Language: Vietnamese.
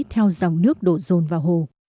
theo dòng nước đổ dồn vào hồ